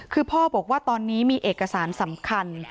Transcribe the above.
คือพ่อบอกว่าตอนนี้มีเอกสารสำคัญ